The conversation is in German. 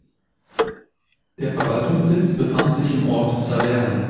Der Verwaltungssitz befand sich im Ort Saverne.